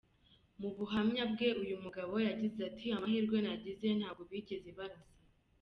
Mu buhamya bwe uyu mugabo yagize ati “Amahirwe nagize, ntabwo bigeze barasa.